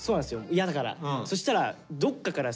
嫌だから。